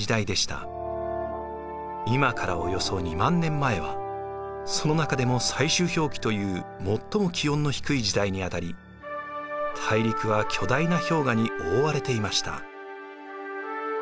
今からおよそ２万年前はその中でも最終氷期という最も気温の低い時代にあたり大陸は巨大な氷河に覆われていました。